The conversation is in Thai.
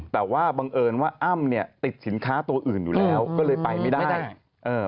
แต่ว่าบังเอิญว่าอ้ำเนี่ยติดสินค้าตัวอื่นอยู่แล้วก็เลยไปไม่ได้